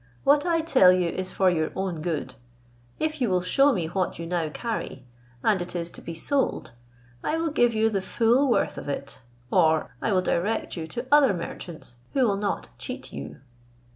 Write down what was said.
What I tell you is for your own good. If you will shew me what you now carry, and it is to be sold, I will give you the full worth of it; or I will direct you to other merchants who will not cheat you."